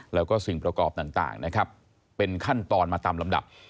แล้วก็สิ่งประกอบต่างนะครับเป็นขั้นตอนมาตามลำดับ